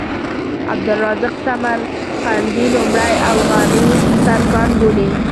عبدالرزاق سمرقندي لومړی اوغاني ترکان بولي.